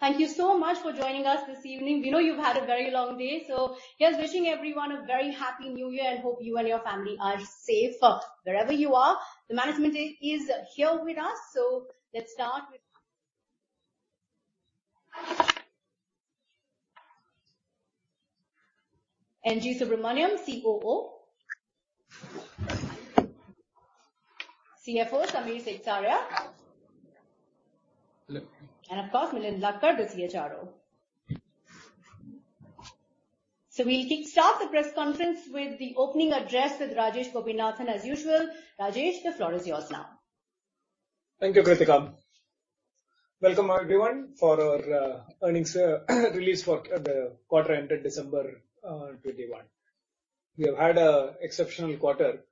Thank you so much for joining us this evening. We know you've had a very long day, so just wishing everyone a very happy new year and hope you and your family are safe wherever you are. The management is here with us, so let's start with N.G. Subramaniam, COO. CFO, Samir Seksaria. Hello. Of course, Milind Lakkad, the CHRO. We'll kick-start the press conference with the opening address with Rajesh Gopinathan. As usual, Rajesh, the floor is yours now. Thank you, Kritika. Welcome, everyone, for our earnings release for the quarter ended December 2021. We have had an exceptional quarter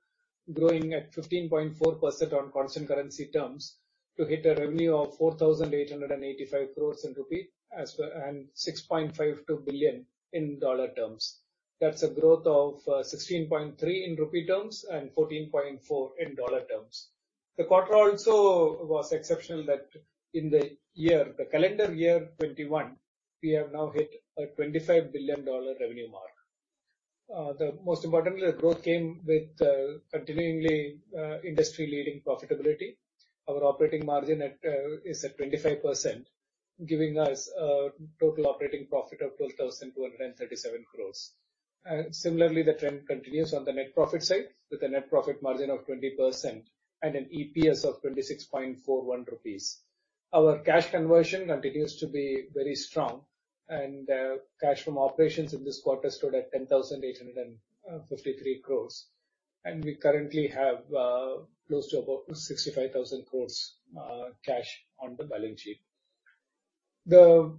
growing at 15.4% on constant currency terms to hit a revenue of ₹4,885 crore in rupee as well and $6.52 billion in dollar terms. That's a growth of 16.3% in rupee terms and 14.4% in dollar terms. The quarter also was exceptional that in the year, the calendar year 2021, we have now hit a $25 billion revenue mark. The most importantly, the growth came with continually industry-leading profitability. Our operating margin is at 25%, giving us total operating profit of ₹12,237 crore. Similarly, the trend continues on the net profit side with a net profit margin of 20% and an EPS of 26.41 rupees. Our cash conversion continues to be very strong and cash from operations in this quarter stood at 10,853 crore. We currently have close to about 65,000 crore cash on the balance sheet. The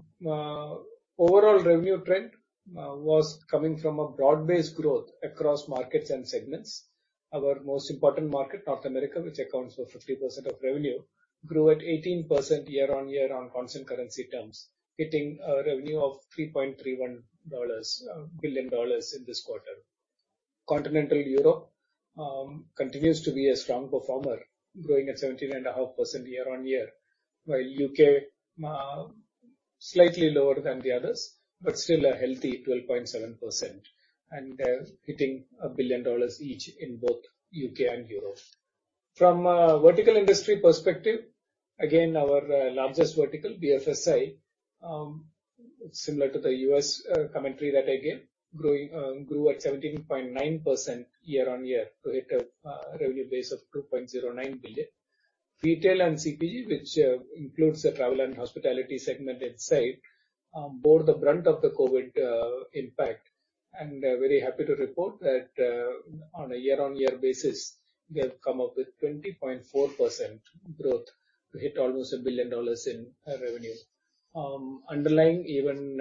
overall revenue trend was coming from a broad-based growth across markets and segments. Our most important market, North America, which accounts for 50% of revenue, grew at 18% year-on-year on constant currency terms, hitting a revenue of $3.31 billion in this quarter. Continental Europe continues to be a strong performer, growing at 17.5% year-on-year, while U.K., slightly lower than the others, but still a healthy 12.7%, and hitting $1 billion each in both U.K. and Europe. From a vertical industry perspective, again, our largest vertical, BFSI, similar to the U.S. commentary that I gave, grew at 17.9% year-on-year to hit a revenue base of $2.09 billion. Retail and CPG, which includes the travel and hospitality segment inside, bore the brunt of the COVID impact. Very happy to report that, on a year-on-year basis, we have come up with 20.4% growth to hit almost $1 billion in revenue. Underlying even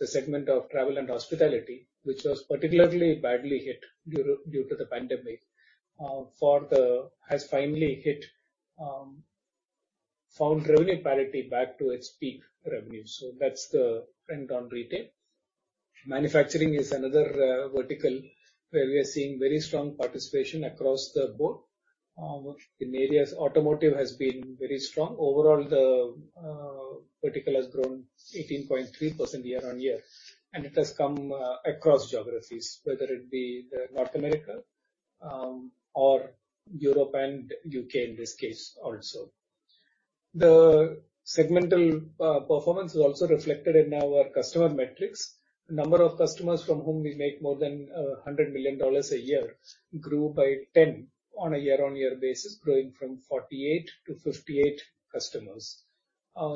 the segment of travel and hospitality, which was particularly badly hit due to the pandemic, has finally found revenue parity back to its peak revenue. That's the trend on retail. Manufacturing is another vertical where we are seeing very strong participation across the board. In areas automotive has been very strong. Overall, the vertical has grown 18.3% year-on-year, and it has come across geographies, whether it be North America or Europe and U.K. in this case also. The segmental performance is also reflected in our customer metrics. Number of customers from whom we make more than $100 million a year grew by 10 on a year-on-year basis, growing from 48 to 58 customers.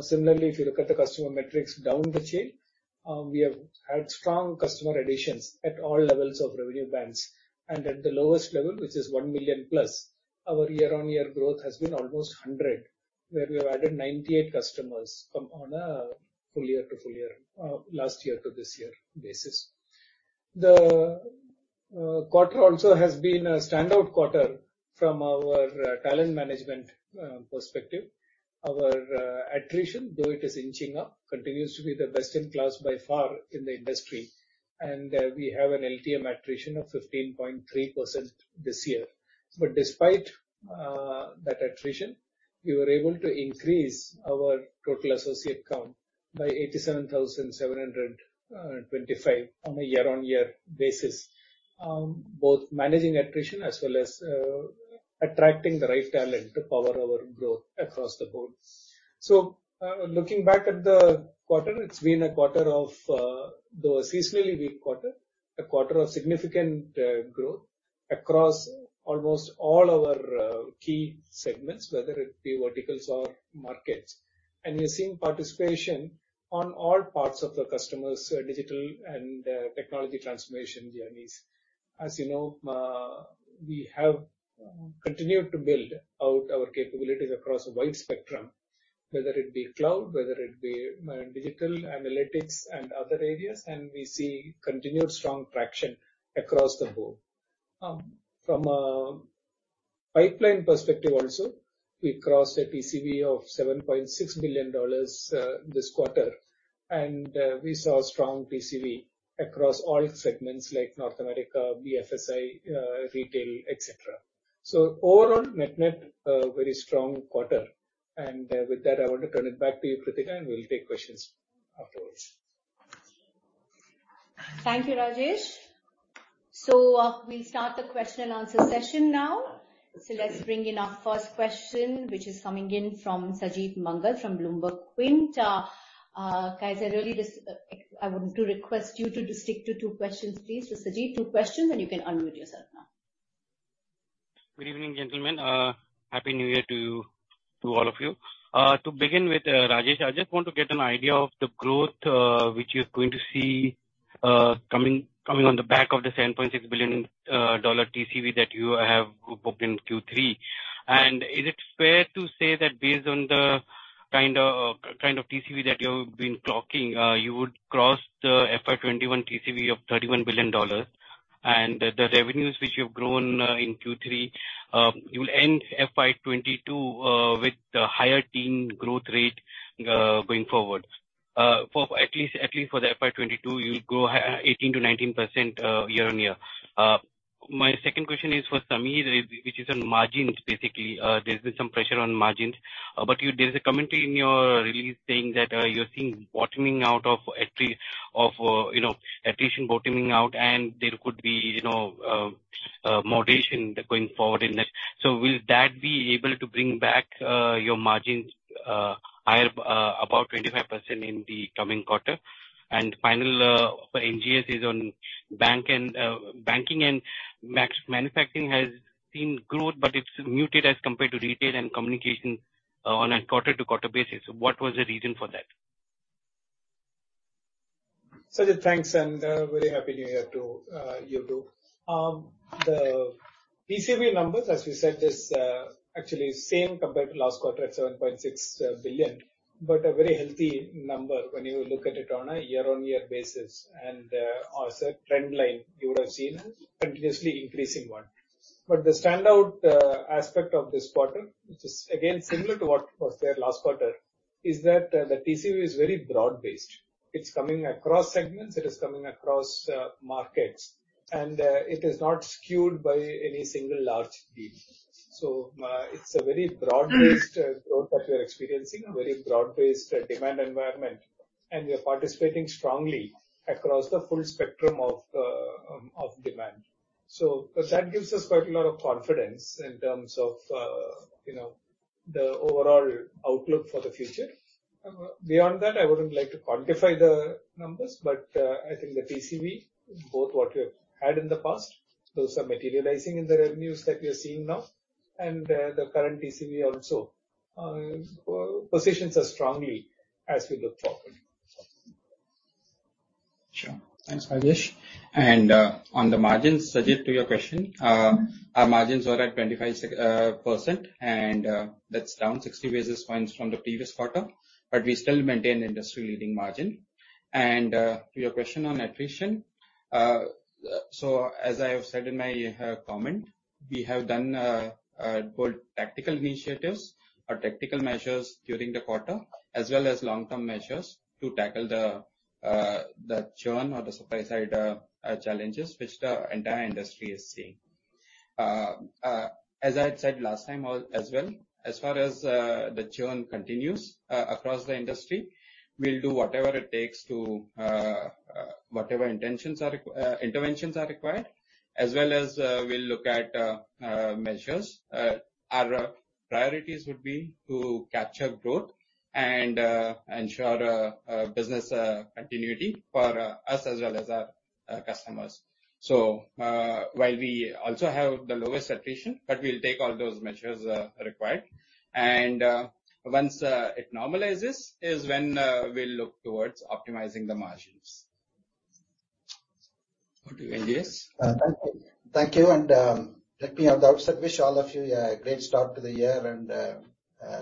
Similarly, if you look at the customer metrics down the chain, we have had strong customer additions at all levels of revenue bands. At the lowest level, which is 1 million+, our year-on-year growth has been almost 100, where we have added 98 customers from one full year to full year, last year to this year basis. The quarter also has been a standout quarter from our talent management perspective. Our attrition, though it is inching up, continues to be the best in class by far in the industry. We have an LTM attrition of 15.3% this year. Despite that attrition, we were able to increase our total associate count by 87,725 on a year-on-year basis, both managing attrition as well as attracting the right talent to power our growth across the board. Looking back at the quarter, it's been a quarter of though a seasonally weak quarter, a quarter of significant growth across almost all our key segments, whether it be verticals or markets. We're seeing participation on all parts of the customers' digital and technology transformation journeys. As you know, we have continued to build out our capabilities across a wide spectrum, whether it be cloud, whether it be digital analytics and other areas, and we see continued strong traction across the board. From a pipeline perspective also, we crossed a TCV of $7.6 billion this quarter. We saw strong TCV across all segments like North America, BFSI, retail, etc. Overall, net-net, a very strong quarter. With that, I want to turn it back to you, Kritika, and we'll take questions afterwards. Thank you, Rajesh. We'll start the question and answer session now. Let's bring in our first question, which is coming in from Sajeet Manghat from BloombergQuint. Guys, I really just, I want to request you to just stick to two questions, please. Sajeet, two questions, and you can unmute yourself now. Good evening, gentlemen. Happy New Year to all of you. To begin with, Rajesh, I just want to get an idea of the growth which you're going to see coming on the back of the $7.6 billion TCV that you have booked in Q3. Is it fair to say that based on the kind of TCV that you've been clocking, you would cross the FY 2021 TCV of $31 billion and the revenues which you've grown in Q3, you will end FY 2022 with a high-teen growth rate going forward? For at least FY 2022, you'll grow 18%-19% year-on-year. My second question is for Samir, which is on margins, basically. There's been some pressure on margins, but there's a commentary in your release saying that you're seeing bottoming out of at least of attrition bottoming out and there could be, you know, moderation going forward in that. Will that be able to bring back your margins higher above 25% in the coming quarter? And finally for N.G.S. on banking and manufacturing has seen growth, but it's muted as compared to retail and communication on a quarter-to-quarter basis. What was the reason for that? Sajeet, thanks, and very happy New Year to you too. The TCV numbers, as we said, is actually same compared to last quarter at $7.6 billion, but a very healthy number when you look at it on a year-on-year basis and as a trend line, you would have seen a continuously increasing one. The standout aspect of this quarter, which is again similar to what was there last quarter, is that the TCV is very broad-based. It's coming across segments, it is coming across markets, and it is not skewed by any single large deal. It's a very broad-based growth that we're experiencing, a very broad-based demand environment, and we are participating strongly across the full spectrum of demand. That gives us quite a lot of confidence in terms of, you know, the overall outlook for the future. Beyond that, I wouldn't like to quantify the numbers, but I think the TCV, both what we have had in the past, those are materializing in the revenues that we are seeing now, and the current TCV also positions us strongly as we look forward. Sure. Thanks, Rajesh. On the margins, Sajeet, to your question, our margins were at 25%, and that's down 60 basis points from the previous quarter, but we still maintain industry-leading margin. To your question on attrition, as I have said in my comment, we have done both tactical initiatives or tactical measures during the quarter as well as long-term measures to tackle the churn or the supply side challenges which the entire industry is seeing. As I had said last time as well, as far as the churn continues across the industry, we'll do whatever it takes to whatever interventions are required, as well as we'll look at measures. Our priorities would be to capture growth and ensure business continuity for us as well as our customers. While we also have the lowest attrition, but we'll take all those measures required. Once it normalizes is when we'll look towards optimizing the margins. Over to you, N.G.S. Thank you. Let me at the outset wish all of you a great start to the year.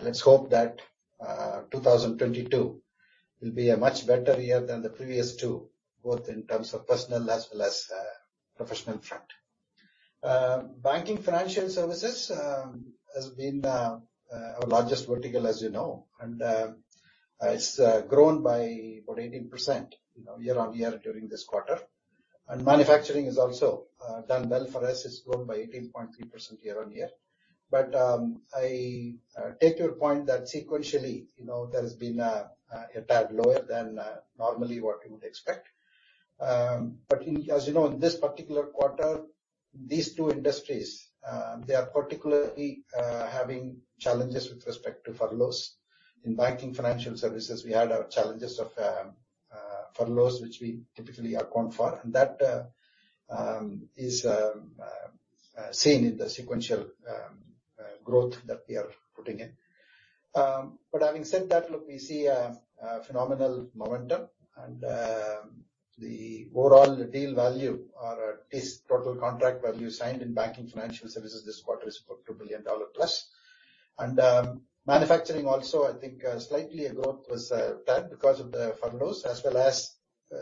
Let's hope that 2022 will be a much better year than the previous two, both in terms of personal as well as professional front. Banking Financial Services has been our largest vertical, as you know, and it's grown by about 18%, you know, year-on-year during this quarter. Manufacturing has also done well for us. It's grown by 18.3% year-on-year. I take your point that sequentially, you know, there has been a tad lower than normally what you would expect. As you know, in this particular quarter, these two industries they are particularly having challenges with respect to furloughs. In banking financial services, we had our challenges of furloughs, which we typically account for, and that is seen in the sequential growth that we are putting in. Having said that, look, we see a phenomenal momentum and the overall deal value or at least total contract value signed in banking financial services this quarter is about $2 billion+. Manufacturing also, I think, slight lag in growth was tagged because of the furloughs as well as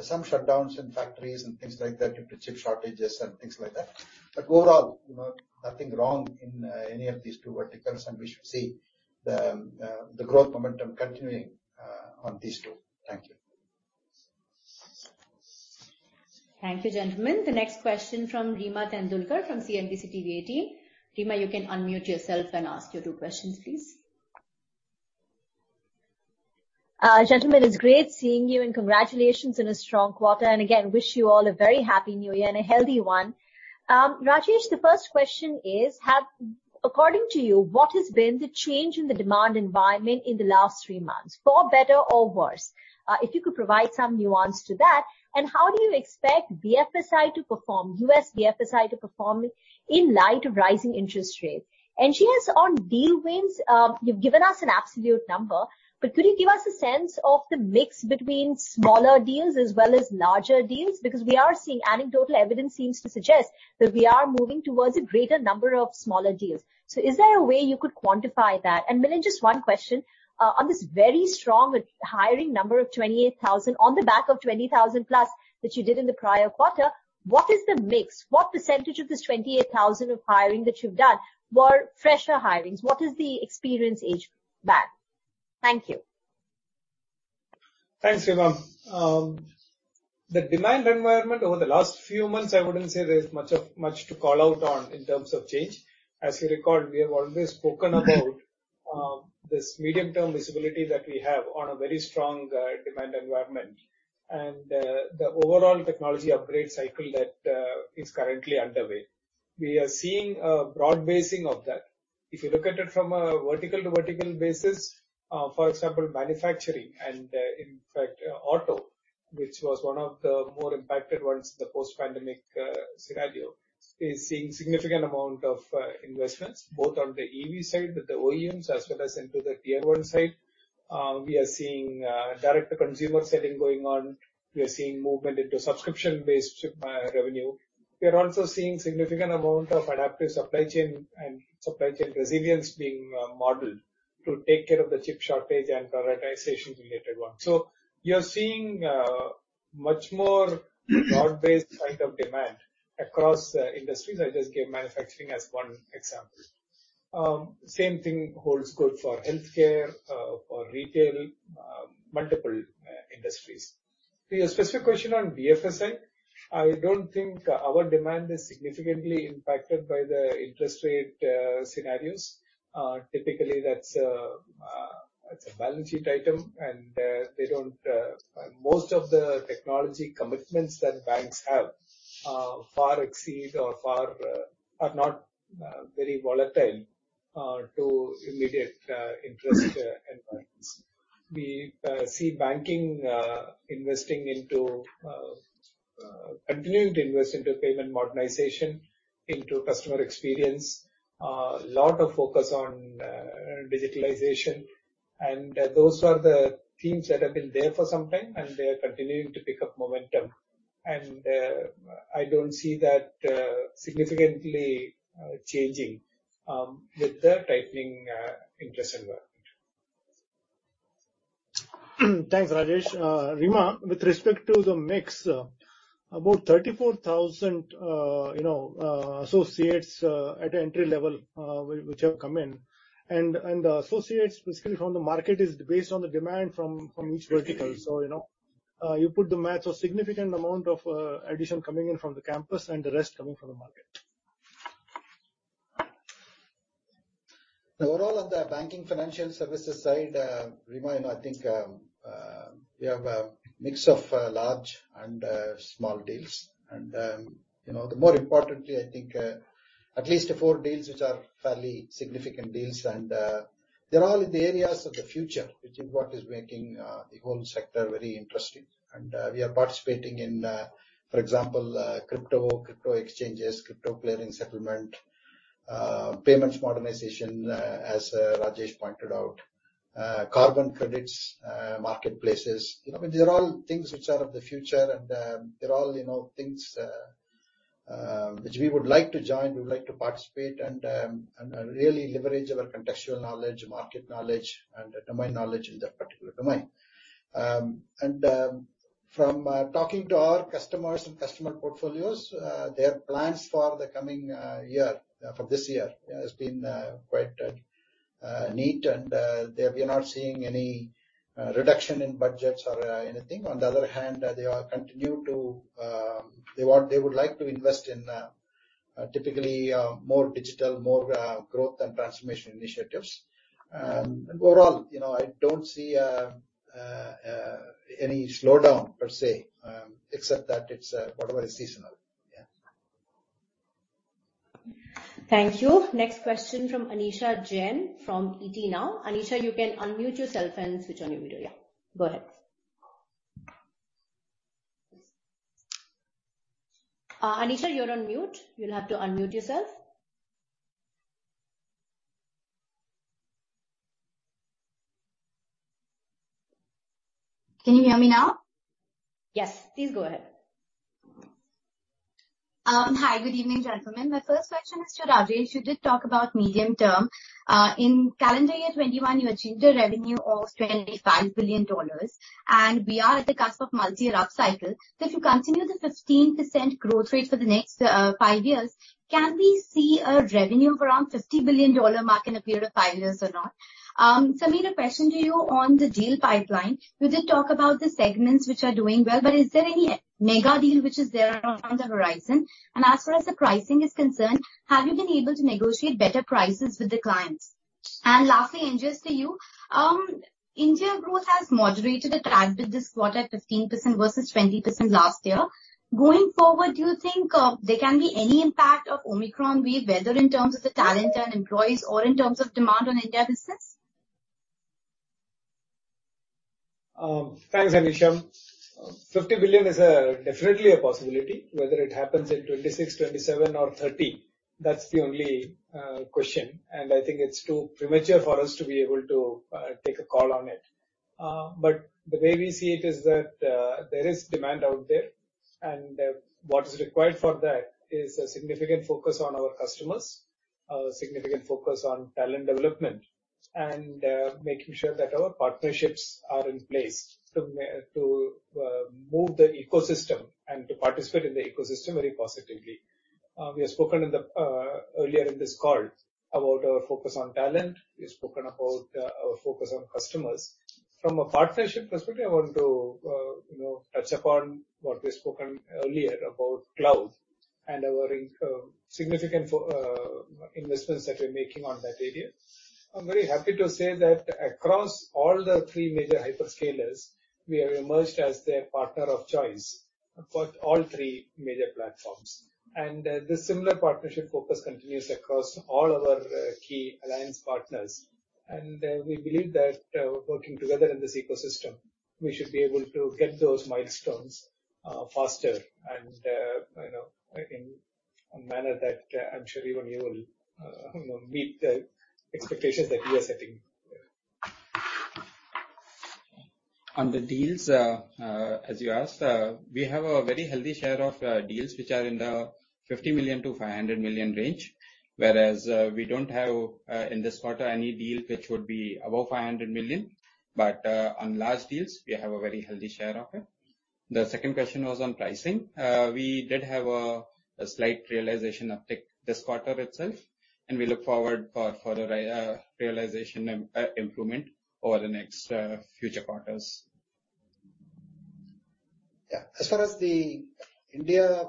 some shutdowns in factories and things like that due to chip shortages and things like that. Overall, you know, nothing wrong in any of these two verticals, and we should see the growth momentum continuing on these two. Thank you. Thank you, gentlemen. The next question from Reema Tendulkar from CNBC-TV18. Reema, you can unmute yourself and ask your two questions, please. Gentlemen, it's great seeing you, and congratulations on a strong quarter. Again, I wish you all a very happy new year and a healthy one. Rajesh, the first question is, according to you, what has been the change in the demand environment in the last three months, for better or worse? If you could provide some nuance to that. How do you expect BFSI to perform, U.S. BFSI to perform in light of rising interest rates? Second, on deal wins, you've given us an absolute number, but could you give us a sense of the mix between smaller deals as well as larger deals? Because we are seeing anecdotal evidence seems to suggest that we are moving towards a greater number of smaller deals. Is there a way you could quantify that? Milind, just one question. On this very strong hiring number of 28,000 on the back of 20,000+ that you did in the prior quarter, what is the mix? What percentage of this 28,000 of hiring that you've done were fresher hirings? What is the experience age band? Thank you. Thanks, Reema. The demand environment over the last few months, I wouldn't say there's much to call out on in terms of change. As you recall, we have always spoken about this medium-term visibility that we have on a very strong demand environment and the overall technology upgrade cycle that is currently underway. We are seeing a broad-basing of that. If you look at it from a vertical-to-vertical basis, for example, manufacturing and, in fact, auto, which was one of the more impacted ones in the post-pandemic scenario, is seeing significant amount of investments both on the EV side with the OEMs as well as into the tier one side. We are seeing direct-to-consumer selling going on. We are seeing movement into subscription-based revenue. We are also seeing significant amount of adaptive supply chain and supply chain resilience being modeled to take care of the chip shortage and prioritization related one. You're seeing much more broad-based type of demand across industries. I just gave manufacturing as one example. Same thing holds good for healthcare, for retail, multiple industries. To your specific question on BFSI, I don't think our demand is significantly impacted by the interest rate scenarios. Typically, it's a balance sheet item, and they don't. Most of the technology commitments that banks have are not very volatile to immediate interest environments. We see banking continuing to invest into payment modernization, into customer experience, lot of focus on digitalization. Those are the themes that have been there for some time, and they are continuing to pick up momentum. I don't see that significantly changing with the tightening interest environment. Thanks, Rajesh. Reema, with respect to the mix, about 34,000, you know, associates at entry-level which have come in, and associates specifically from the market is based on the demand from each vertical. You put the math of significant amount of addition coming in from the campus and the rest coming from the market. Overall, on the banking financial services side, Reema, you know, I think, we have a mix of large and small deals. You know, more importantly, I think, at least four deals which are fairly significant deals and, they're all in the areas of the future, which is what is making the whole sector very interesting. We are participating in, for example, crypto exchanges, crypto clearing settlement, payments modernization, as Rajesh pointed out, carbon credits marketplaces. You know, I mean, they're all things which are of the future and, they're all, you know, things which we would like to join, we would like to participate and really leverage our contextual knowledge, market knowledge and domain knowledge in that particular domain. From talking to our customers and customer portfolios, their plans for the coming year for this year has been quite neat and we are not seeing any reduction in budgets or anything. On the other hand, they continue to, they would like to invest in typically more digital, more growth and transformation initiatives. Overall, you know, I don't see any slowdown per se, except that it's whatever is seasonal. Yeah. Thank you. Next question from Anisha Jain from ET NOW. Anisha, you can unmute yourself and switch on your video. Yeah, go ahead. Anisha, you're on mute. You'll have to unmute yourself. Can you hear me now? Yes. Please go ahead. Hi. Good evening, gentlemen. My first question is to Rajesh. You did talk about medium term. In calendar year 2021, you achieved a revenue of $25 billion, and we are at the cusp of multi-year cycle. If you continue the 15% growth rate for the next five years, can we see a revenue around $50 billion mark in a period of five years or not? Samir, a question to you on the deal pipeline. You did talk about the segments which are doing well, but is there any mega deal which is there on the horizon? And as far as the pricing is concerned, have you been able to negotiate better prices with the clients? And lastly, N.G. Subramaniam, to you. India growth has moderated on track this quarter 15% versus 20% last year. Going forward, do you think there can be any impact of Omicron wave, whether in terms of the talent and employees or in terms of demand on India business? Thanks, Anisha. 50 billion is definitely a possibility. Whether it happens in 2026, 2027 or 2030, that's the only question, and I think it's too premature for us to be able to take a call on it. The way we see it is that there is demand out there, and what is required for that is a significant focus on our customers, significant focus on talent development and making sure that our partnerships are in place to move the ecosystem and to participate in the ecosystem very positively. We have spoken earlier in this call about our focus on talent. We've spoken about our focus on customers. From a partnership perspective, I want to, touch upon what we've spoken earlier about cloud and our significant investments that we're making on that area. I'm very happy to say that across all the three major hyperscalers, we have emerged as their partner of choice across all three major platforms. This similar partnership focus continues across all our key alliance partners. We believe that, working together in this ecosystem, we should be able to get those milestones faster and, you know, in a manner that I'm sure even you will meet the expectations that we are setting. On the deals, as you asked, we have a very healthy share of deals which are in the $50 million-$500 million range. Whereas, we don't have in this quarter any deal which would be above $500 million. On large deals, we have a very healthy share of it. The second question was on pricing. We did have a slight realization dip this quarter itself, and we look forward for a realization improvement over the next few quarters. Yeah. As far as the India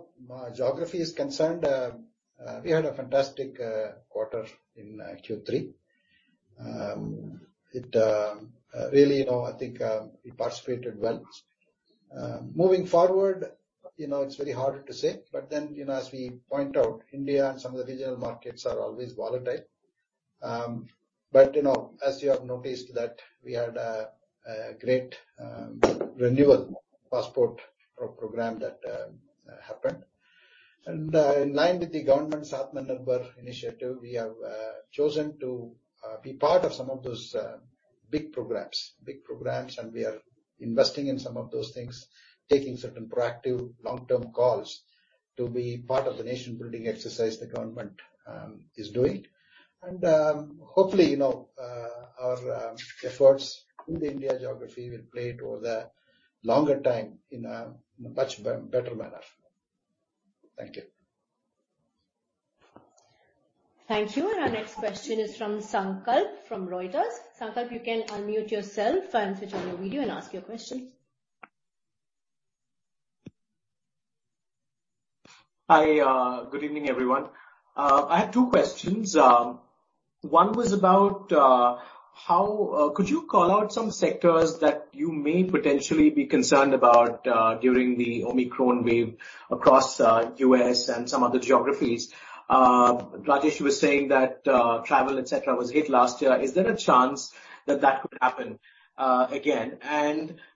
geography is concerned, we had a fantastic quarter in Q3. It really, you know, I think we participated well. Moving forward, you know, it's very hard to say. You know, as we point out, India and some of the regional markets are always volatile. You know, as you have noticed that we had a great renewal passport program that happened. In line with the government's Aatmanirbhar initiative, we have chosen to be part of some of those big programs, and we are investing in some of those things, taking certain proactive long-term calls to be part of the nation-building exercise the government is doing. Hopefully, you know, our efforts in the India geography will play toward a longer time in a much better manner. Thank you. Thank you. Our next question is from Sankalp from Reuters. Sankalp, you can unmute yourself and switch on your video and ask your question. Hi. Good evening, everyone. I have two questions. One was about how could you call out some sectors that you may potentially be concerned about during the Omicron wave across U.S. and some other geographies? Rajesh was saying that travel, et cetera, was hit last year. Is there a chance that that could happen again?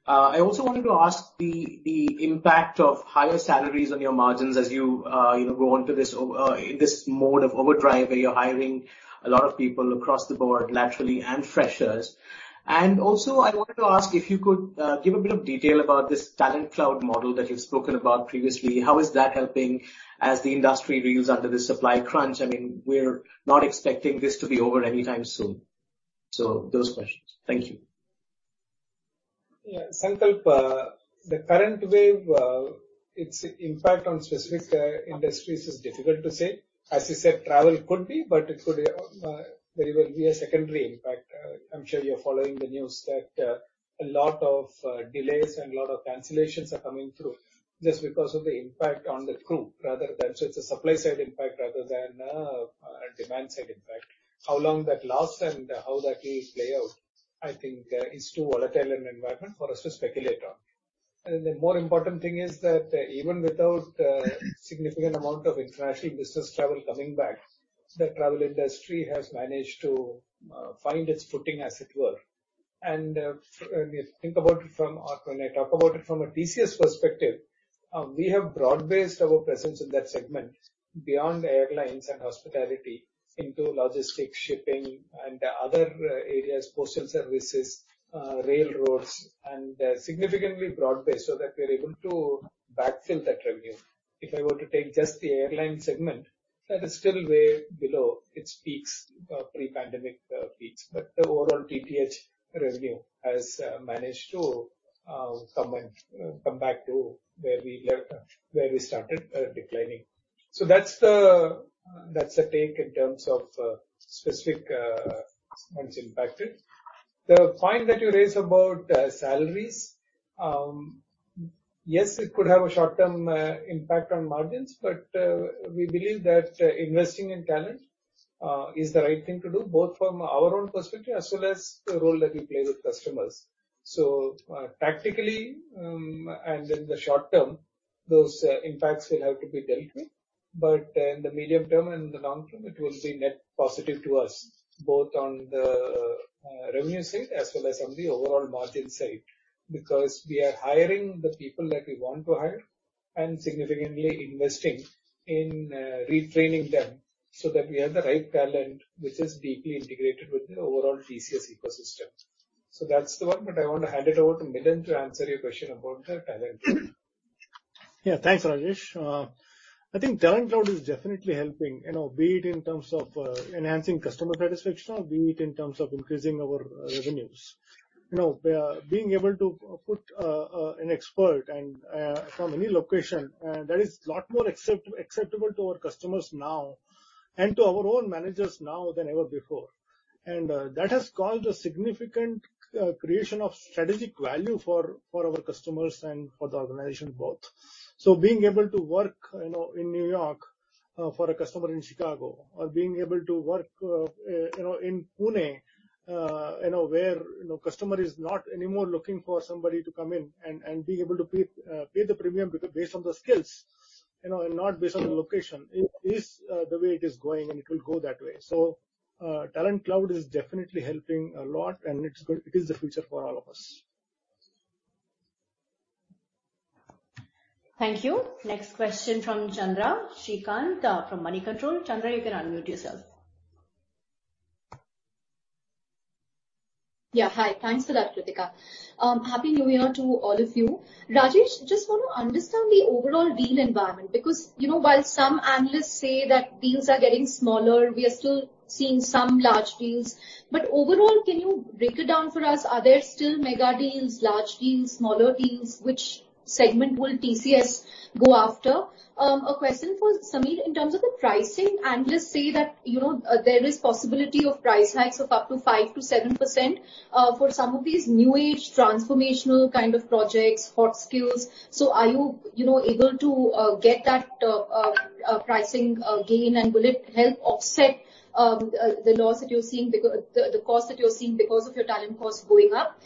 I also wanted to ask the impact of higher salaries on your margins as you you know go into this mode of overdrive where you're hiring a lot of people across the board naturally and freshers. I wanted to ask if you could give a bit of detail about this Talent Cloud model that you've spoken about previously. How is that helping as the industry reels under this supply crunch? I mean, we're not expecting this to be over anytime soon. Those questions. Thank you. Yeah. Sankalp, the current wave, its impact on specific industries is difficult to say. As you said, travel could be, but it could very well be a secondary impact. I'm sure you're following the news that a lot of delays and a lot of cancellations are coming through just because of the impact on the crew. So it's a supply side impact rather than a demand side impact. How long that lasts and how that will play out, I think, is too volatile an environment for us to speculate on. The more important thing is that even without significant amount of international business travel coming back, the travel industry has managed to find its footing, as it were. When I talk about it from a TCS perspective, we have broad-based our presence in that segment. Beyond airlines and hospitality into logistics, shipping and other areas, postal services, railroads, and significantly broad-based so that we are able to backfill that revenue. If I were to take just the airline segment, that is still way below its peaks, pre-pandemic, peaks. The overall T&TH revenue has managed to come back to where we started declining. That's the take in terms of specific points impacted. The point that you raised about salaries. Yes, it could have a short-term impact on margins, but we believe that investing in talent is the right thing to do, both from our own perspective as well as the role that we play with customers. Tactically, and in the short term, those impacts will have to be dealt with. In the medium term and the long term, it will be net positive to us, both on the revenue side as well as on the overall margin side. Because we are hiring the people that we want to hire and significantly investing in retraining them so that we have the right talent which is deeply integrated with the overall TCS ecosystem. That's the one. I want to hand it over to Milind to answer your question about the talent. Yeah. Thanks, Rajesh. I think Talent Cloud is definitely helping, you know, be it in terms of enhancing customer satisfaction or be it in terms of increasing our revenues. You know, being able to put an expert from any location that is a lot more acceptable to our customers now and to our own managers now than ever before. That has caused a significant creation of strategic value for our customers and for the organization both. Being able to work, you know, in New York, for a customer in Chicago or being able to work, you know, in Pune, you know, where, you know, customer is not anymore looking for somebody to come in and being able to pay the premium because based on the skills, you know, and not based on the location. It is the way it is going, and it will go that way. Talent Cloud is definitely helping a lot, and it's good. It is the future for all of us. Thank you. Next question from Chandra Srikanth, from Moneycontrol. Chandra, you can unmute yourself. Yeah. Hi. Thanks for that, Kritika. Happy New Year to all of you. Rajesh, just want to understand the overall deal environment because, you know, while some analysts say that deals are getting smaller, we are still seeing some large deals. Overall, can you break it down for us? Are there still mega deals, large deals, smaller deals? Which segment will TCS go after? A question for Samir. In terms of the pricing, analysts say that, you know, there is possibility of price hikes of up to 5%-7% for some of these new age transformational kind of projects, hot skills. So are you know, able to get that pricing gain, and will it help offset the cost that you're seeing because of your talent costs going up?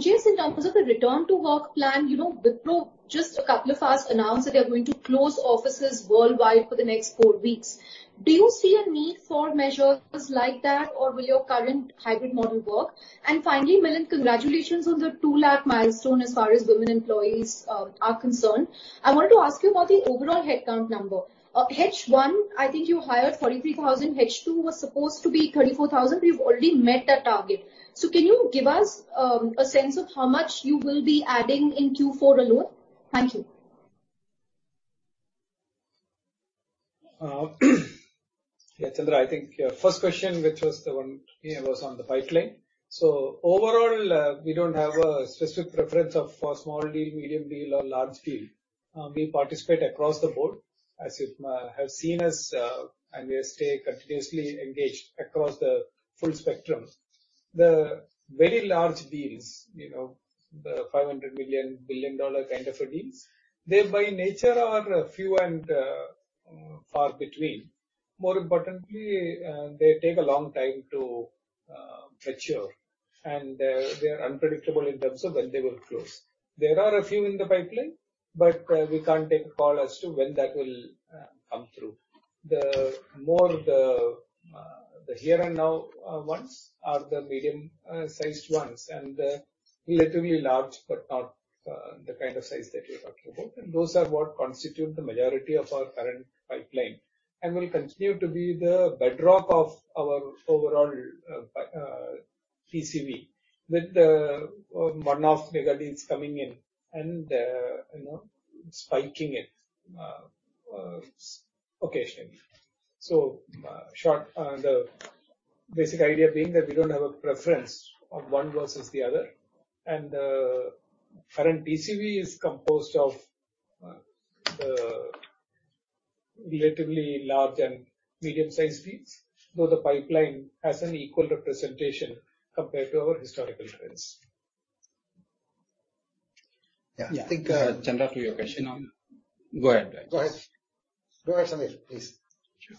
Just in terms of the return-to-work plan. You know, Wipro just a couple of hours announced that they are going to close offices worldwide for the next four weeks. Do you see a need for measures like that or will your current hybrid model work? Finally, Milind, congratulations on the 2 lakh milestone as far as women employees are concerned. I wanted to ask you about the overall headcount number. H1 I think you hired 43,000. H2 was supposed to be 24,000, but you've already met that target. Can you give us a sense of how much you will be adding in Q4 alone? Thank you. Yeah, Chandra. I think your first question, which was the one here, was on the pipeline. Overall, we don't have a specific preference of for small deal, medium deal or large deal. We participate across the board as you have seen us, and we stay continuously engaged across the full spectrum. The very large deals, you know, the $500 million-$1 billion kind of deals, they by nature are few and far between. More importantly, they take a long time to mature, and they are unpredictable in terms of when they will close. There are a few in the pipeline, but we can't take a call as to when that will come through. The here-and-now ones are the medium-sized ones and relatively large, but not the kind of size that you're talking about. Those are what constitute the majority of our current pipeline and will continue to be the bedrock of our overall TCV with the one-off mega deals coming in and, you know, spiking it occasionally. The basic idea being that we don't have a preference of one versus the other. The current TCV is composed of the relatively large and medium-sized deals, though the pipeline has an equal representation compared to our historical trends. Yeah. I think... Yeah. Chandra, to your question on. Go ahead, Rajesh. Go ahead, Samir, please. Sure.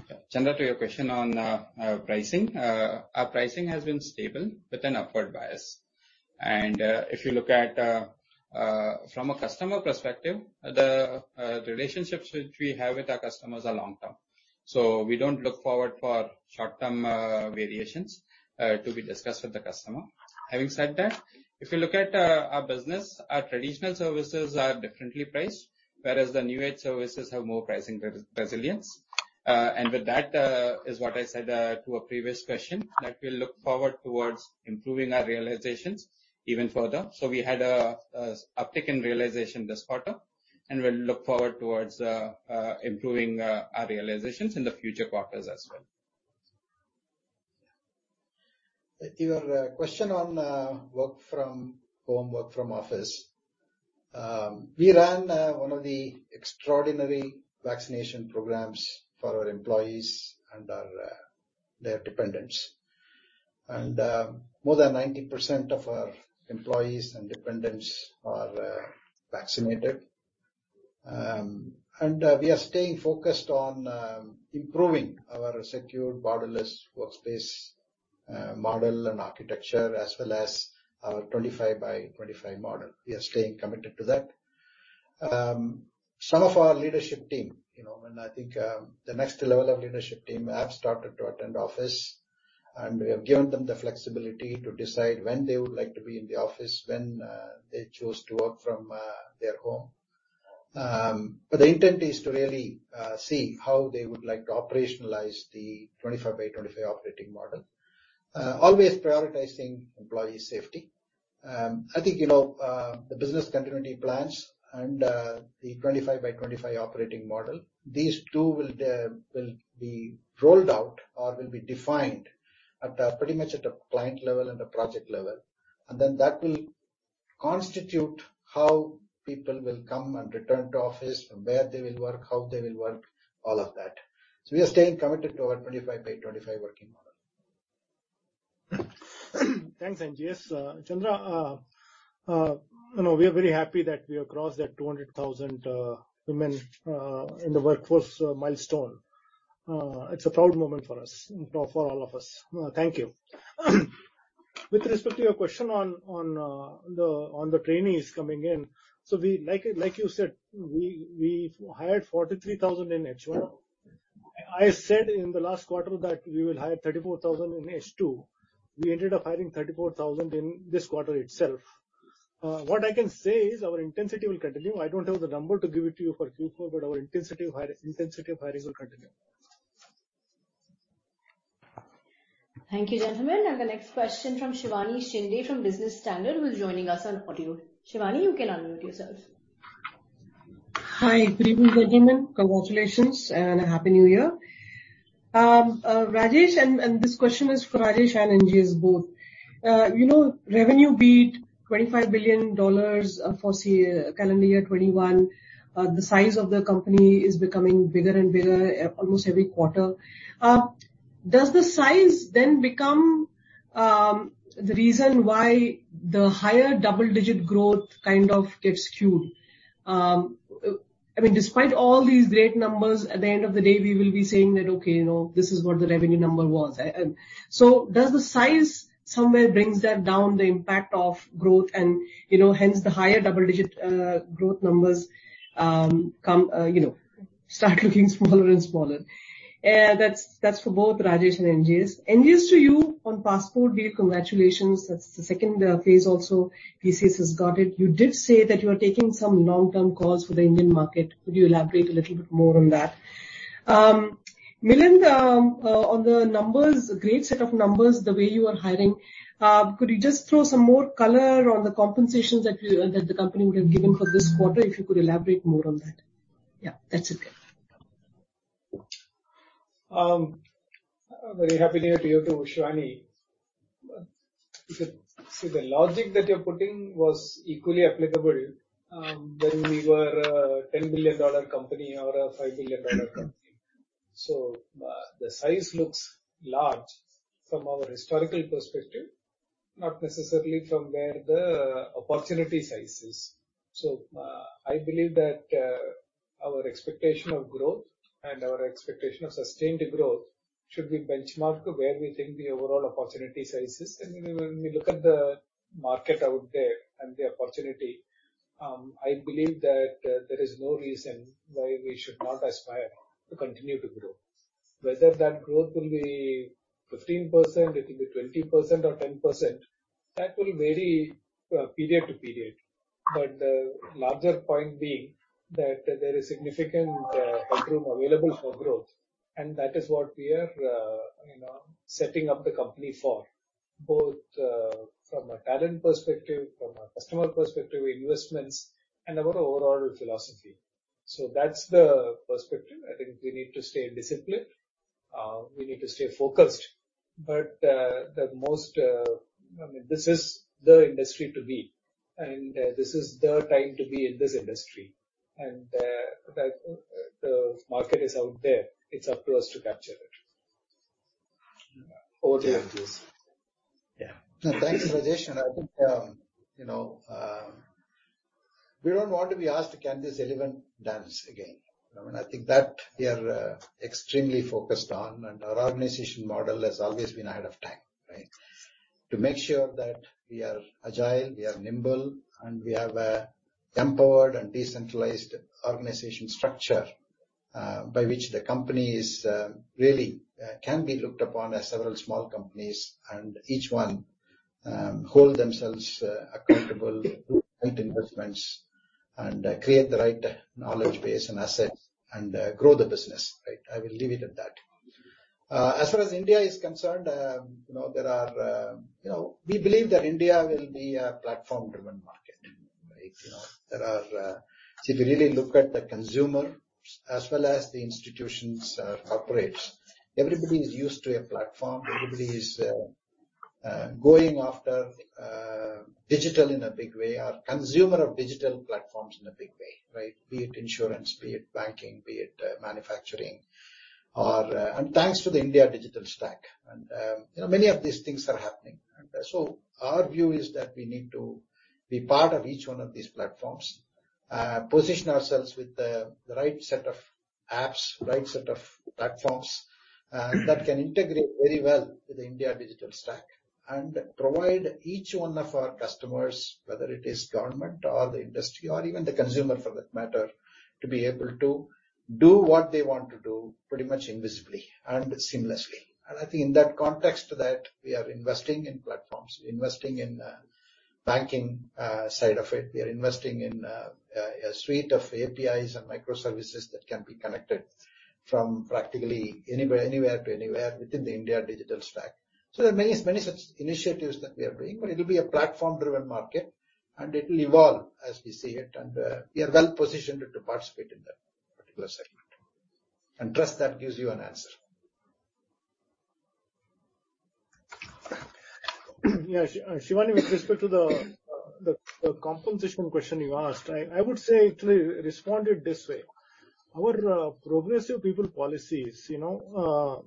Okay. Chandra, to your question on our pricing. Our pricing has been stable with an upward bias. If you look at from a customer perspective, the relationships which we have with our customers are long term. We don't look forward for short-term variations to be discussed with the customer. Having said that, if you look at our business, our traditional services are differently priced, whereas the new age services have more pricing resilience. With that is what I said to a previous question, that we look forward towards improving our realizations even further. We had a uptick in realization this quarter, and we'll look forward towards improving our realizations in the future quarters as well. Your question on work from home, work from office. We ran one of the extraordinary vaccination programs for our employees and their dependents. More than 90% of our employees and dependents are vaccinated. We are staying focused on improving our Secure Borderless Workspaces model and architecture as well as our 25 by 25 model. We are staying committed to that. Some of our leadership team, you know, and I think, the next level of leadership team have started to attend office, and we have given them the flexibility to decide when they would like to be in the office, when they choose to work from their home. The intent is to really see how they would like to operationalize the 25 by 25 operating model, always prioritizing employee safety. I think, you know, the business continuity plans and the 25 by 25 operating model, these two will be rolled out or will be defined at pretty much a client level and a project level. That will constitute how people will come and return to office, from where they will work, how they will work, all of that. We are staying committed to our 25 by 25 working model. Thanks, N.G.S. Chandra, you know, we are very happy that we have crossed that 200,000 women in the workforce milestone. It's a proud moment for us, for all of us. Thank you. With respect to your question on the trainees coming in. Like you said, we hired 43,000 in H1. I said in the last quarter that we will hire 34,000 in H2. We ended up hiring 34,000 in this quarter itself. What I can say is our intensity will continue. I don't have the number to give it to you for Q4, but our intensity of hiring will continue. Thank you, gentlemen. The next question from Shivani Shinde from Business Standard, who is joining us on audio. Shivani, you can unmute yourself. Hi. Good evening, gentlemen. Congratulations and a happy New Year. Rajesh, and this question is for Rajesh and N.G.S. both. You know, revenue beat $25 billion for calendar year 2021. The size of the company is becoming bigger and bigger, almost every quarter. Does the size then become the reason why the higher double-digit growth kind of gets skewed? I mean, despite all these great numbers, at the end of the day, we will be saying that, okay, you know, this is what the revenue number was. And so does the size somewhere brings that down the impact of growth and, you know, hence the higher double-digit growth numbers come, you know, start looking smaller and smaller. That's for both Rajesh and N.G.S. N.G.S. to you on Passport deal, congratulations. That's the second phase also TCS has got it. You did say that you are taking some long-term calls for the Indian market. Could you elaborate a little bit more on that? Milind, on the numbers, great set of numbers the way you are hiring. Could you just throw some more color on the compensations that the company may have given for this quarter? If you could elaborate more on that. Yeah, that's it. Very happy to hear from you, Shivani. See, the logic that you're putting was equally applicable when we were a $10 billion company or a $5 billion company. The size looks large from our historical perspective, not necessarily from where the opportunity size is. I believe that our expectation of growth and our expectation of sustained growth should be benchmarked where we think the overall opportunity size is. When we look at the market out there and the opportunity, I believe that there is no reason why we should not aspire to continue to grow. Whether that growth will be 15%, it will be 20% or 10%, that will vary period to period. Larger point being that there is significant headroom available for growth, and that is what we are, you know, setting up the company for, both from a talent perspective, from a customer perspective, investments and our overall philosophy. So that's the perspective. I think we need to stay disciplined, we need to stay focused. The most I mean, this is the industry to be and this is the time to be in this industry. The market is out there, it's up to us to capture it. Over to you, N.G.S. Yeah. No, thank you, Rajesh. I think, you know, we don't want to be asked, can this elephant dance again? You know what I mean? I think that we are extremely focused on, and our organization model has always been ahead of time, right? To make sure that we are agile, we are nimble, and we have an empowered and decentralized organization structure by which the company is really one that can be looked upon as several small companies and each one hold themselves accountable to right investments and create the right knowledge base and assets and grow the business, right? I will leave it at that. As far as India is concerned, you know, we believe that India will be a platform-driven market, right? You know, see, if you really look at the consumer as well as the institutional operators, everybody is used to a platform. Everybody is going after digital in a big way or a consumer of digital platforms in a big way, right? Be it insurance, be it banking, be it manufacturing. Thanks to the India Stack. You know, many of these things are happening. Our view is that we need to be part of each one of these platforms, position ourselves with the right set of apps, right set of platforms, that can integrate very well with the India Stack and provide each one of our customers, whether it is government or the industry or even the consumer for that matter, to be able to do what they want to do pretty much invisibly and seamlessly. I think in that context to that, we are investing in platforms, investing in banking side of it. We are investing in a suite of APIs and microservices that can be connected from practically anywhere to anywhere within the India Stack. There are many such initiatives that we are doing, but it'll be a platform-driven market, and it will evolve as we see it, and we are well-positioned to participate in that particular segment. Trust that gives you an answer. Shivani, with respect to the compensation question you asked, I would say. To respond it this way, our progressive people policies, you know,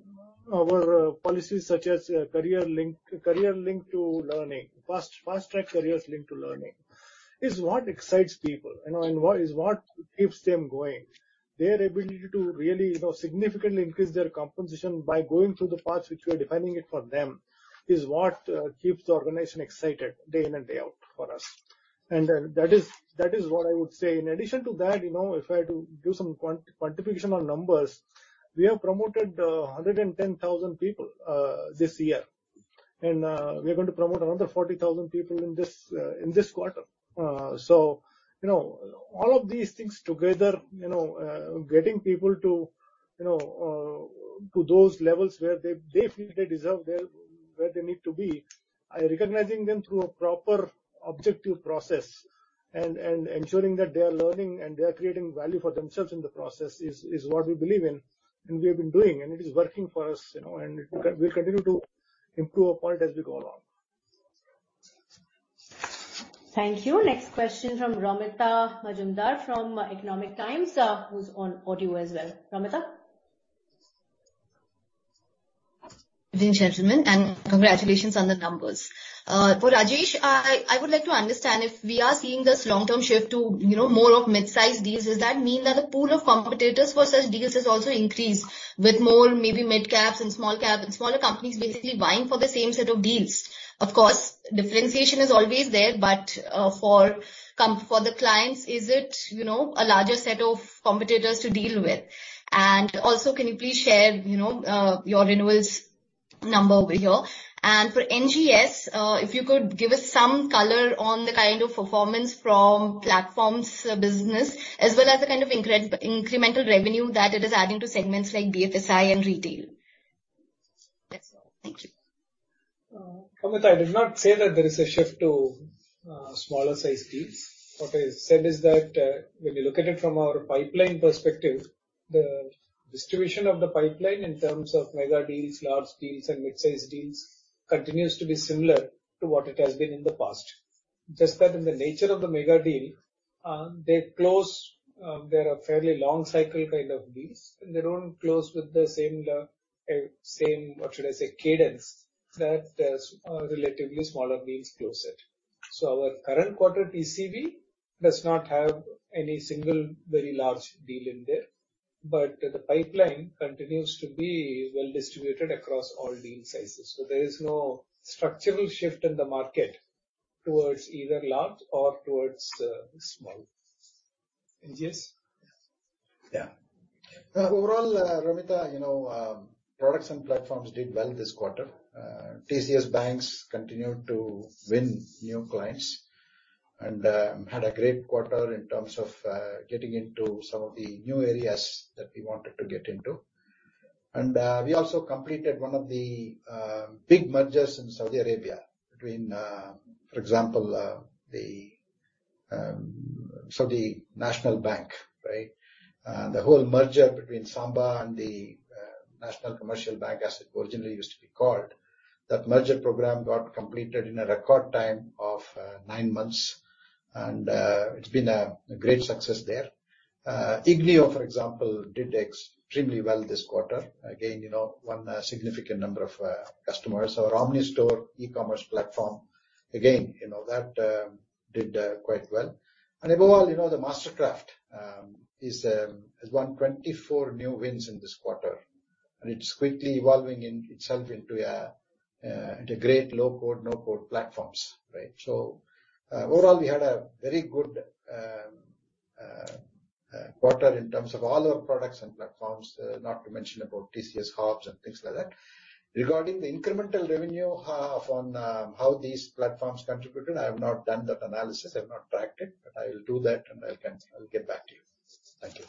our policies such as Career Link, Career Link to Learning, fast track Careers Link to Learning is what excites people, you know, and what keeps them going. Their ability to really, you know, significantly increase their compensation by going through the paths which we are defining it for them is what keeps the organization excited day in and day out for us. That is what I would say. In addition to that, you know, if I had to do some quantification on numbers, we have promoted 110,000 people this year. We are going to promote another 40,000 people in this quarter. You know, all of these things together, you know, getting people to, you know, to those levels where they feel they deserve, where they need to be, recognizing them through a proper objective process and ensuring that they are learning and they are creating value for themselves in the process is what we believe in and we have been doing, and it is working for us, you know, and it. We continue to improve upon it as we go along. Thank you. Next question from Romita Majumdar from Economic Times, who's on audio as well. Romita? Good evening, gentlemen, and congratulations on the numbers. For Rajesh, I would like to understand if we are seeing this long-term shift to, you know, more of mid-sized deals, does that mean that the pool of competitors for such deals has also increased with more maybe mid caps and small cap and smaller companies basically vying for the same set of deals? Of course, differentiation is always there. For the clients, is it, you know, a larger set of competitors to deal with? And also, can you please share, you know, your renewals number over here? And for N.G.S., if you could give us some color on the kind of performance from platforms business as well as the kind of incremental revenue that it is adding to segments like BFSI and retail. That's all. Thank you. Romita, I did not say that there is a shift to smaller sized deals. What I said is that when we look at it from our pipeline perspective, the distribution of the pipeline in terms of mega deals, large deals, and mid-sized deals continues to be similar to what it has been in the past. Just that in the nature of the mega deal, they close, they're a fairly long cycle kind of deals, and they don't close with the same cadence that relatively smaller deals close at. Our current quarter TCV does not have any single very large deal in there, but the pipeline continues to be well-distributed across all deal sizes. There is no structural shift in the market towards either large or towards small. N.G.S.? Yeah. Yeah. Overall, Romita, you know, products and platforms did well this quarter. TCS BaNCS continued to win new clients and had a great quarter in terms of getting into some of the new areas that we wanted to get into. We also completed one of the big mergers in Saudi Arabia between, for example, the Saudi National Bank, right? The whole merger between Samba and the National Commercial Bank, as it originally used to be called, that merger program got completed in a record time of nine months. It's been a great success there. Ignio, for example, did extremely well this quarter. Again, you know, won a significant number of customers. Our OmniStore e-commerce platform, again, you know, that did quite well. Above all, you know, the MasterCraft. It has won 24 new wins in this quarter, and it's quickly evolving in itself into a great low-code, no-code platforms, right? Overall, we had a very good quarter in terms of all our products and platforms, not to mention about TCS HOBS and things like that. Regarding the incremental revenue on how these platforms contributed, I have not done that analysis. I've not tracked it, but I will do that, and I'll get back to you. Thank you.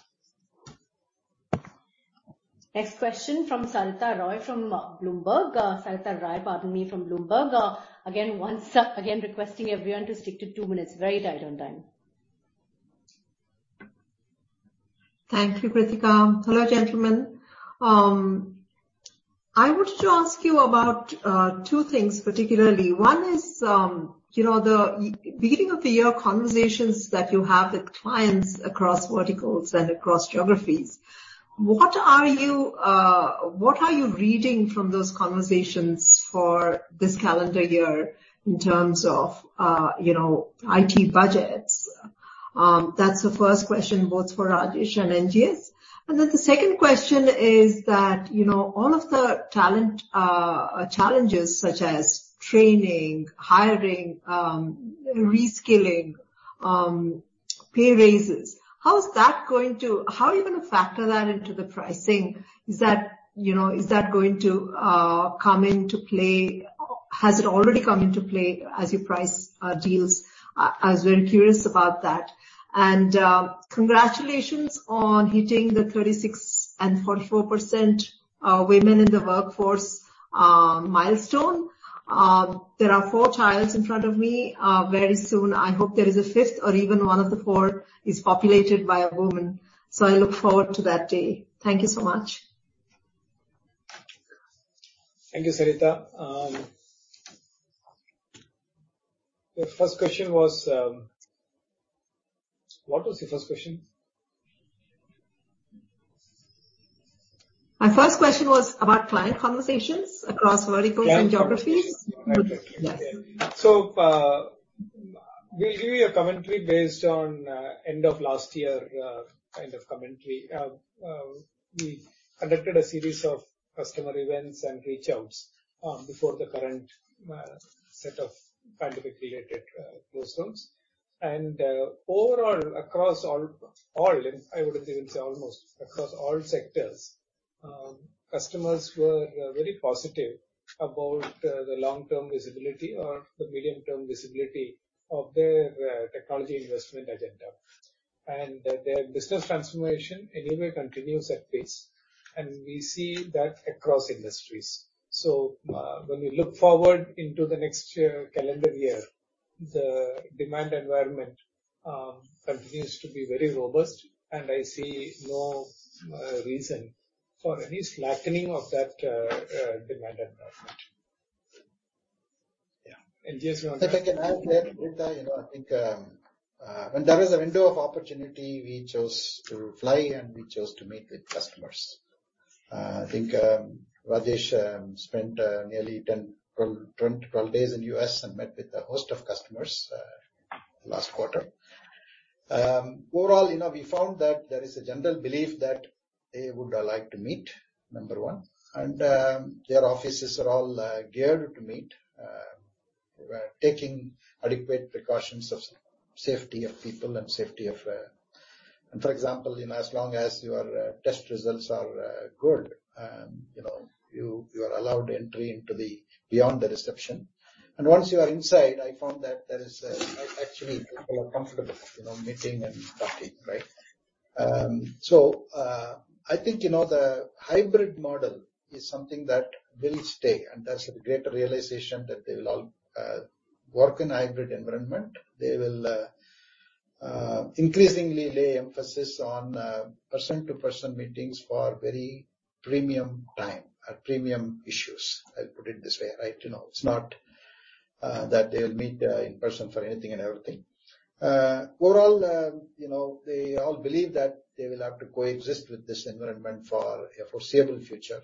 Next question from Saritha Rai from Bloomberg. Saritha Rai, pardon me, from Bloomberg. Again, requesting everyone to stick to two minutes. Very tight on time. Thank you, Kritika. Hello, gentlemen. I wanted to ask you about two things particularly. One is, you know, the beginning of the year conversations that you have with clients across verticals and across geographies. What are you reading from those conversations for this calendar year in terms of, you know, IT budgets? That's the first question both for Rajesh and N.G.S. The second question is that, you know, all of the talent challenges such as training, hiring, reskilling, pay raises, how are you gonna factor that into the pricing? Is that going to come into play? Has it already come into play as you price deals? I was very curious about that. Congratulations on hitting the 36% and 44% women in the workforce milestone. There are 4 tiles in front of me. Very soon, I hope there is a fifth or even one of the 4 is populated by a woman. I look forward to that day. Thank you so much. Thank you, Saritha. The first question was, what was the first question? My first question was about client conversations across verticals and geographies. Client conversations. Yes. We'll give you a commentary based on end of last year kind of commentary. We conducted a series of customer events and reach outs before the current set of pandemic-related closeness. Overall, across all, and I would even say almost across all sectors, customers were very positive about the long-term visibility or the medium-term visibility of their technology investment agenda. Their business transformation anyway continues at pace, and we see that across industries. When we look forward into the next year, calendar year, the demand environment continues to be very robust, and I see no reason for any flattening of that demand environment. Yeah. N.G.S., do you want to- If I can add there, Saritha, you know, I think, when there was a window of opportunity, we chose to fly, and we chose to meet with customers. I think, Rajesh spent, nearly 10 to 12 days in U.S. and met with a host of customers, last quarter. Overall, you know, we found that there is a general belief that they would like to meet, number one, and, their offices are all geared to meet, taking adequate precautions of safety of people and safety of. For example, you know, as long as your test results are good, you know, you are allowed entry into beyond the reception. Once you are inside, I found that there is actually people are comfortable, you know, meeting and talking, right? I think, you know, the hybrid model is something that will stay, and that's a great realization that they will all work in a hybrid environment. They will increasingly lay emphasis on person-to-person meetings for very premium time or premium issues. I'll put it this way, right? You know, it's not that they'll meet in person for anything and everything. Overall, you know, they all believe that they will have to coexist with this environment for a foreseeable future.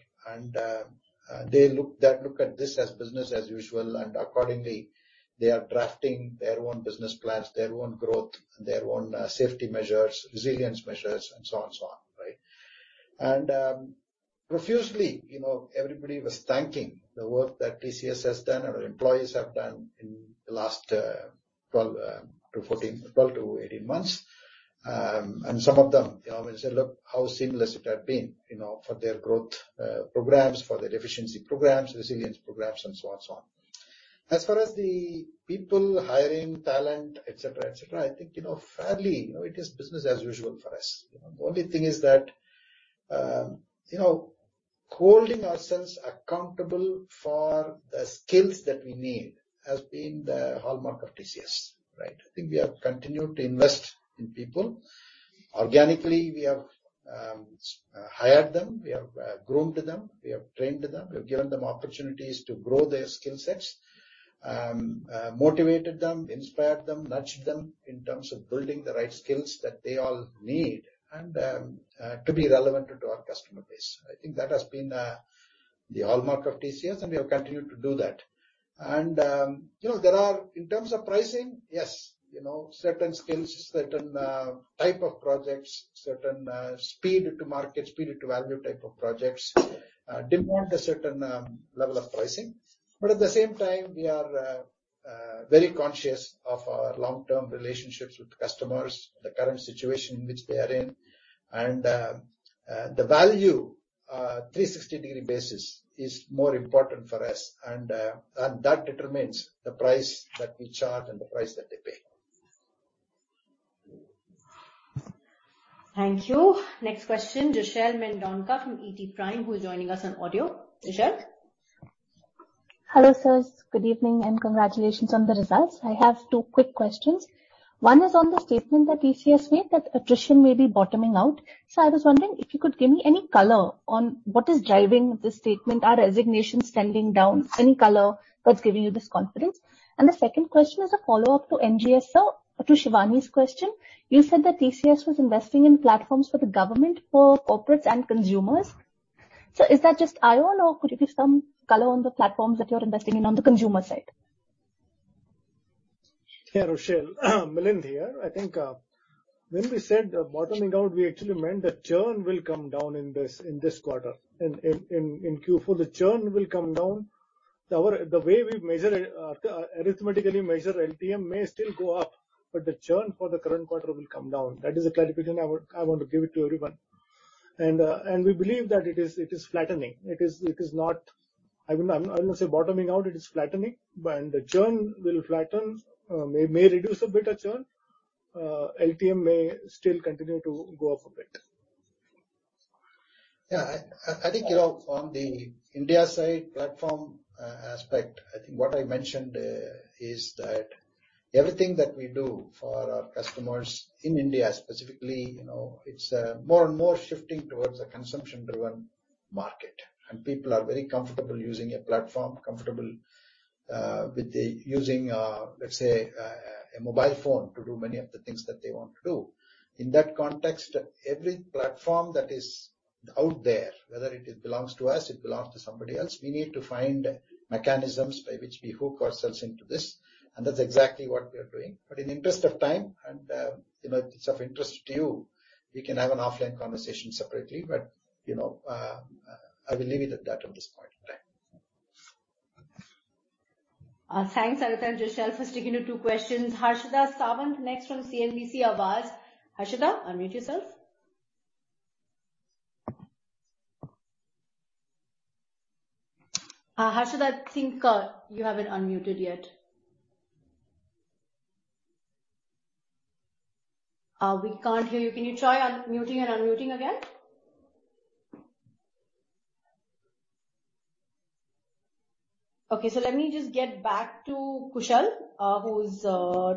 They look at this as business as usual, and accordingly, they are drafting their own business plans, their own growth, their own safety measures, resilience measures, and so on and so on, right? Profusely, you know, everybody was thanking the work that TCS has done or employees have done in the last 12 to 18 months. Some of them, you know, will say, "Look how seamless it had been," you know, for their growth programs, for their efficiency programs, resilience programs, and so on and so on. As far as the people hiring talent, et cetera, et cetera, I think, you know, fairly, you know, it is business as usual for us. You know, the only thing is that, you know, holding ourselves accountable for the skills that we need has been the hallmark of TCS, right? I think we have continued to invest in people. Organically, we have hired them, we have groomed them, we have trained them. We've given them opportunities to grow their skill sets, motivated them, inspired them, nudged them in terms of building the right skills that they all need and to be relevant to our customer base. I think that has been The hallmark of TCS and we have continued to do that. You know, there are. In terms of pricing, yes, you know, certain skills, certain type of projects, certain speed to market, speed to value type of projects demand a certain level of pricing. But at the same time, we are very conscious of our long-term relationships with customers, the current situation in which they are in. The value 360-degree basis is more important for us and that determines the price that we charge and the price that they pay. Thank you. Next question, Jochelle Mendonca from ET Prime, who is joining us on audio. Jochelle? Hello, sirs. Good evening and congratulations on the results. I have two quick questions. One is on the statement that TCS made that attrition may be bottoming out. I was wondering if you could give me any color on what is driving this statement. Are resignations trending down? Any color what's giving you this confidence? The second question is a follow-up to N.G.S., sir, to Shivani's question. You said that TCS was investing in platforms for the government, for corporates and consumers. Is that just iON or could you give some color on the platforms that you're investing in on the consumer side? Yeah, Jochelle. Milind here. I think when we said bottoming out, we actually meant that churn will come down in this quarter. In Q4, the churn will come down. The way we measure it, arithmetically measure LTM may still go up, but the churn for the current quarter will come down. That is a clarification I want to give to everyone. We believe that it is flattening. It is not. I would not say bottoming out. It is flattening. When the churn will flatten, may reduce a bit of churn. LTM may still continue to go up a bit. Yeah. I think, you know, on the India side platform aspect, I think what I mentioned is that everything that we do for our customers in India specifically, you know, it's more and more shifting towards a consumption-driven market. People are very comfortable using a platform, comfortable with using, let's say, a mobile phone to do many of the things that they want to do. In that context, every platform that is out there, whether it belongs to us, it belongs to somebody else, we need to find mechanisms by which we hook ourselves into this, and that's exactly what we are doing. In the interest of time and, you know, it's of interest to you, we can have an offline conversation separately. You know, I will leave it at that at this point in time. Thanks a lot, Jochelle, for sticking to two questions. Harshada Sawant next from CNBC Awaaz. Harshada, unmute yourself. Harshada, I think you haven't unmuted yet. We can't hear you. Can you try muting and unmuting again? Let me just get back to Kushal, who's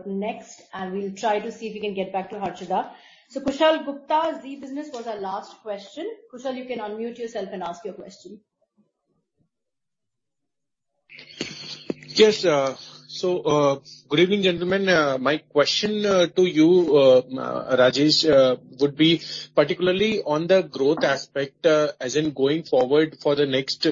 next, and we'll try to see if we can get back to Harshada. Kushal Gupta is Zee Business, was our last question. Kushal, you can unmute yourself and ask your question. Yes. Good evening, gentlemen. My question to you, Rajesh, would be particularly on the growth aspect, as in going forward for the next,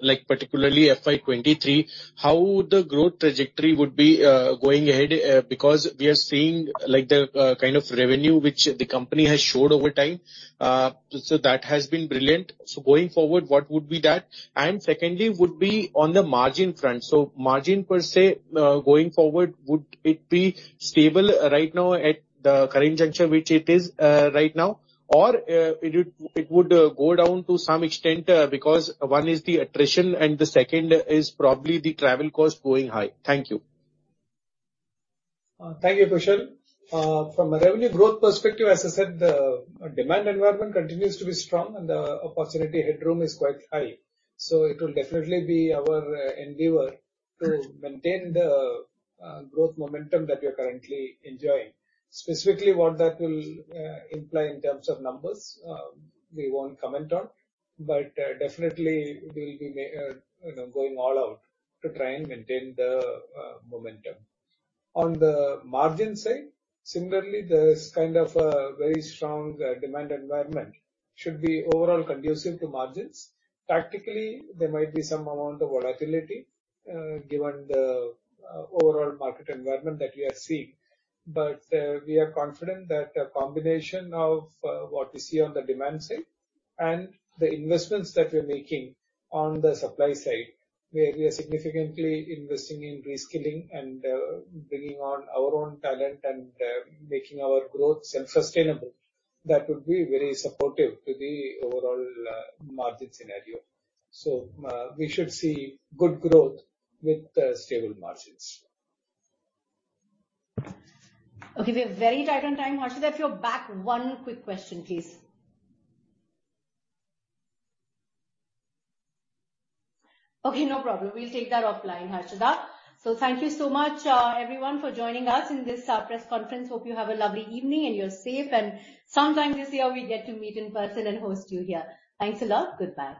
like particularly FY 2023, how the growth trajectory would be, going ahead? Because we are seeing like the kind of revenue which the company has showed over time, so that has been brilliant. Going forward, what would be that? And secondly, would be on the margin front. Margin per se, going forward, would it be stable right now at the current juncture which it is, right now? Or, it would go down to some extent, because one is the attrition and the second is probably the travel cost going high. Thank you. Thank you, Kushal. From a revenue growth perspective, as I said, the demand environment continues to be strong and the opportunity headroom is quite high. It will definitely be our endeavor to maintain the growth momentum that we are currently enjoying. Specifically what that will imply in terms of numbers, we won't comment on, but definitely we'll aim, you know, going all out to try and maintain the momentum. On the margin side, similarly, there is kind of a very strong demand environment. It should be overall conducive to margins. Tactically, there might be some amount of volatility given the overall market environment that we are seeing. We are confident that a combination of what we see on the demand side and the investments that we're making on the supply side, where we are significantly investing in reskilling and bringing on our own talent and making our growth self-sustainable, that would be very supportive to the overall margin scenario. We should see good growth with stable margins. Okay. We're very tight on time. Harshada, if you're back, one quick question, please. Okay, no problem. We'll take that offline, Harshada. Thank you so much, everyone for joining us in this press conference. Hope you have a lovely evening and you're safe. Sometime this year we get to meet in person and host you here. Thanks a lot. Goodbye.